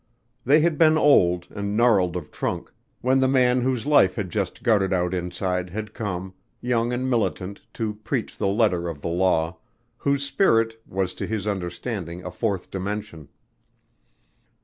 They had been old and gnarled of trunk, when the man whose life had just guttered out inside had come, young and militant, to preach the letter of that law, whose spirit was to his understanding a fourth dimension.